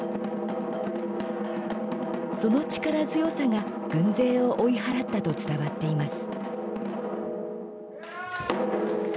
その力強さが軍勢を追い払ったと伝わっています。